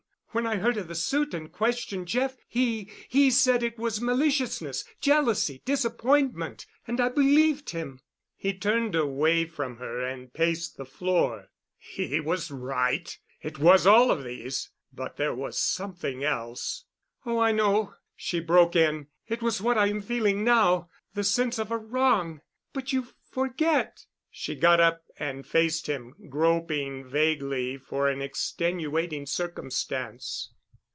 When I heard of the suit and questioned Jeff he—he said it was maliciousness, jealousy, disappointment, and I believed him." He turned away from her and paced the floor. "He was right. It was all of these. But there was something else——" "Oh, I know," she broke in. "It was what I am feeling now—the sense of a wrong. But you forget——" She got up and faced him, groping vaguely for an extenuating circumstance.